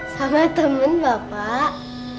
sama temen bapak